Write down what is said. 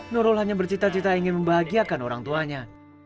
nurul hanya bercita cita ingin membahagiakan orang tuanya